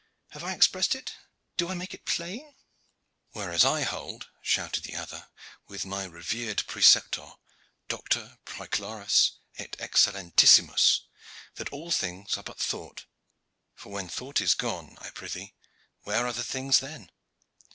Have I expressed it? Do I make it plain?" "Whereas I hold," shouted the other, "with my revered preceptor, doctor, praeclarus et excellentissimus, that all things are but thought; for when thought is gone I prythee where are the things then?